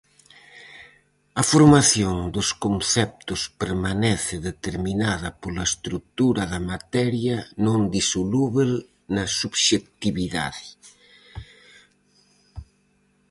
A formación dos conceptos permanece determinada pola estrutura da materia non disolúbel na subxectividade.